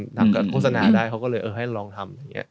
หนังกับโฆษณาได้เขาก็เลยให้ลองทำ